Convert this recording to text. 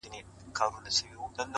• له خوشحاله بیا تر اوسه ارمانجن یو ,